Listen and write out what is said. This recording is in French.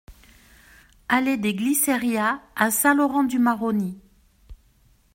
Allée des Glycerias à Saint-Laurent-du-Maroni